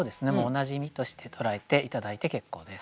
同じ意味として捉えて頂いて結構です。